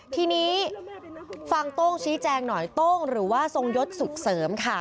ทีนี้ฟังโต้งชี้แจงหน่อยโต้งหรือว่าทรงยศสุขเสริมค่ะ